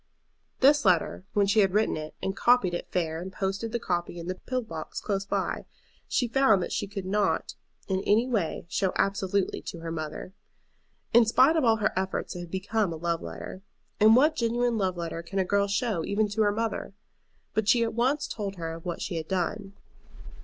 This letter, when she had written it and copied it fair and posted the copy in the pillar box close by, she found that she could not in any way show absolutely to her mother. In spite of all her efforts it had become a love letter. And what genuine love letter can a girl show even to her mother? But she at once told her of what she had done.